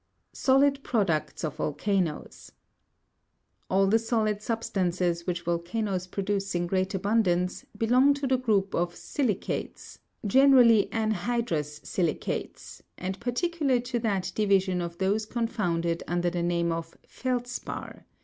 39. Solid products of Volcanoes. All the solid substances which volcanoes produce in great abundance, belong to the group of si'li cates, generally anhy'drous si'licates, and particularly to that divi sion of those confounded under the name of feldspar.